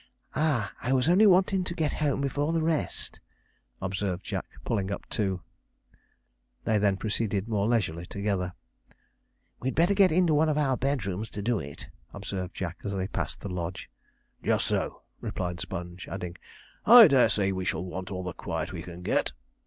'Ah! I was only wantin' to get home before the rest,' observed Jack, pulling up too. They then proceeded more leisurely together. 'We'd better get into one of our bedrooms to do it,' observed Jack, as they passed the lodge. 'Just so,' replied Sponge, adding, 'I dare say we shall want all the quiet we can get.'